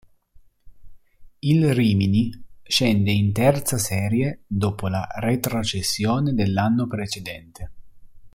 Il Rimini scende in terza serie dopo la retrocessione dell'anno precedente.